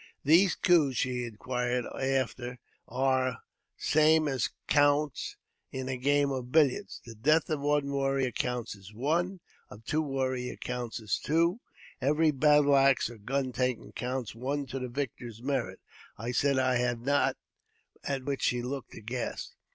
These coos she inquired after are i same as counts in a game of billiards : the death of one warrio: counts as one ; of two warriors counts as two ; every battle axe or gun taken counts one to the victor's merit. I said I] had not, at which she looked aghast.